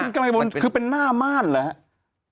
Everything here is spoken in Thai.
คุณกำลังคิดว่าคือเป็นหน้าม่านหรือครับ